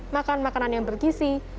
makan makanan yang bergisi